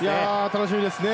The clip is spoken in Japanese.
楽しみですね。